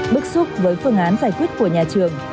bức xúc với phương án giải quyết của nhà trường